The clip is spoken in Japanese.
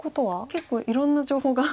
結構いろんな情報が。